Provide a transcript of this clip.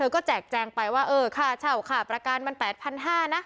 ก็แจกแจงไปว่าเออค่ะเง่าค่ะประการมันแปดพันห้านะ